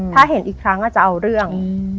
ถ้าเห็นอีกครั้งก็จะเอาเรื่อง